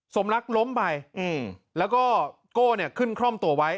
สมรักล้มไปแล้วก็โก้เนี่ยขึ้นคล่อมตัวไว้